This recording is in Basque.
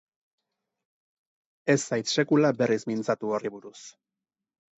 Ez zait sekula berriz mintzatu horri buruz.